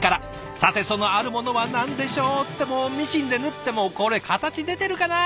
さてそのあるものは何でしょう？ってもうミシンで縫ってもうこれ形出てるかな？